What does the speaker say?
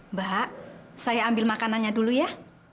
mbak saya ambil makanannya dulu ya